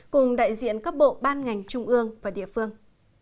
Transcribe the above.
cùng đại diện các bộ ban ngành trung ương và địa phương